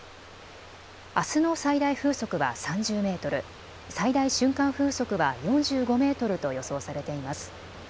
あすの最大風速は３０メートル、最大瞬間風速は４５メートルと予想されています。